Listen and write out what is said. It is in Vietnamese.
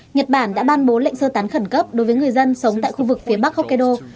nhật bản đã ban bố lệnh sơ tán khẩn cấp đối với người dân sống tại khu vực phía bắc hokkaido